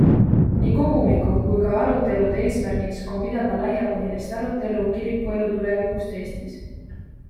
Nii kogumiku kui ka arutelude eesmärgiks on pidada laiapõhjalist arutelu kirikuelu tulevikust Eestis.